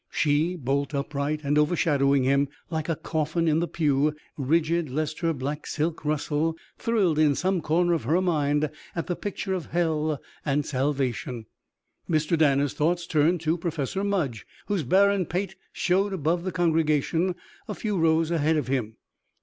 She, bolt upright and overshadowing him, like a coffin in the pew, rigid lest her black silk rustle, thrilled in some corner of her mind at the picture of hell and salvation. Mr. Danner's thoughts turned to Professor Mudge, whose barren pate showed above the congregation a few rows ahead of him.